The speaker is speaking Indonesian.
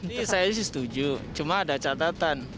ini saya sih setuju cuma ada catatan